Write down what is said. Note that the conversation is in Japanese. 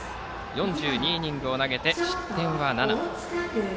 ４２イニングを投げて失点７。